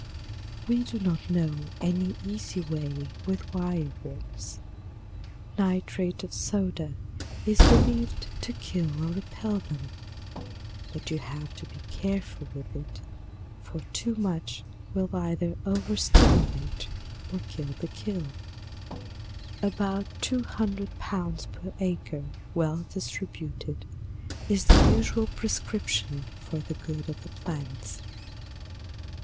We do not know any easy way with wire worms. Nitrate of soda is believed to kill or repel them, but you have to be careful with it, for too much will either over stimulate or kill the kill; about 200 pounds per acre, well distributed, is the usual prescription for the good of the plants.